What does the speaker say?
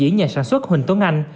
diễn nhà sản xuất huỳnh tuấn anh